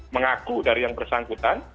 mengaku dari yang bersangkutan